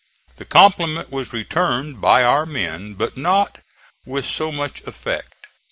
The compliment was returned by our men, but not with so much effect.